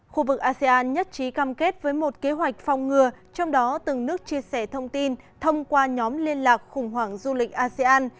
khu vực asean nhất trí cam kết với một kế hoạch phòng ngừa trong đó từng nước chia sẻ thông tin thông qua nhóm liên lạc khủng hoảng du lịch asean